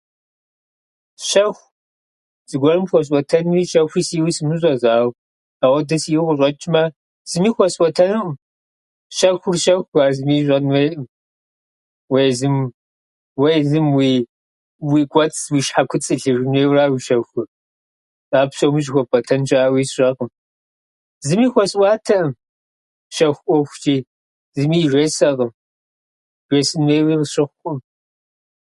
Щэху зыгуэрым хуэсӏуэтэнууи щэхуи сиӏэу сымыщӏэ сэ, ауэ ауэдэ сиӏэуи къыщӏэчӏмэ, зыми хуэсӏуэтэнуӏым. Щэхур щэхущ, ар зыми ищӏэн хуейӏым. Уэ езым- уэ езым уи- уи кӏуэцӏ, уи щхьэкуцӏ илъыжын хуейуэ аращ уи щэхур. Ар псоми щӏыхуэпӏуэтэн щыӏэуи сщӏэкъым. Зыми хуэсӏуатэӏым щэху ӏуэхучӏи, зыми жесӏэкъым, жесӏэн хуейуи къысщыхъуӏым.